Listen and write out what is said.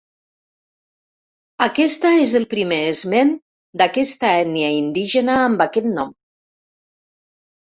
Aquesta és el primer esment d'aquesta ètnia indígena amb aquest nom.